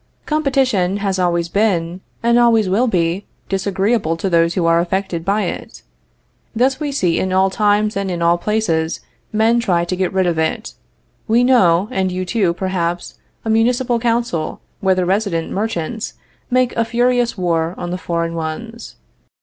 Competition always has been, and always will be, disagreeable to those who are affected by it. Thus we see that in all times and in all places men try to get rid of it. We know, and you too, perhaps, a municipal council where the resident merchants make a furious war on the foreign ones.